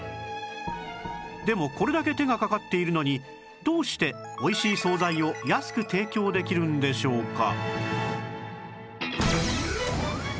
でもこれだけ手がかかっているのにどうして美味しい惣菜を安く提供できるんでしょうか？